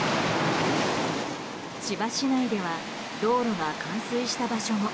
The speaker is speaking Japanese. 千葉市内では道路が冠水した場所も。